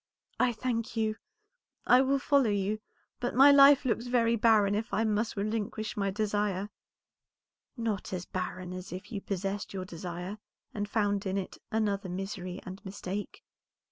"I thank you, I will follow you, but my life looks very barren if I must relinquish my desire." "Not as barren as if you possessed your desire, and found in it another misery and mistake.